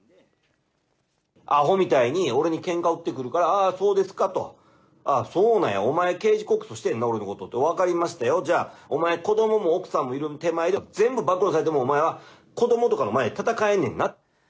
あほみたいに俺にけんか売ってくるから、ああ、そうですかと、そうなんや、お前、刑事告訴してんな、俺のことって、分かりましたよ、じゃあ、お前、子どもも奥さんもいる手前で、全部暴露されても、お前は子どもとかの前で戦えるねんなって。